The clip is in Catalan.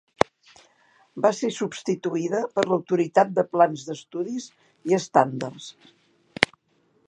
Va ser substituïda per l'Autoritat de Plans d'Estudis i Estàndards.